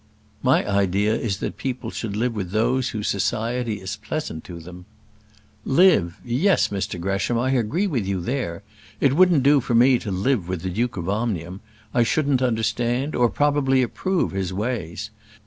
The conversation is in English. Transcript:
"My idea is that people should live with those whose society is pleasant to them." "Live yes, Mr Gresham I agree with you there. It wouldn't do for me to live with the Duke of Omnium; I shouldn't understand, or probably approve, his ways.